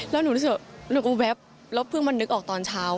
แล้วหนูรู้สึกว่าหนูก็แว๊บแล้วเพิ่งมานึกออกตอนเช้า